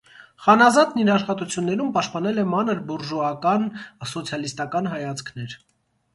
Խանազատն իր աշխատություններում պաշտպանել է մանր բուրժուական սոցիալիստական հայացքներ։